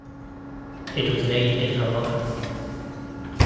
It was named in her honour.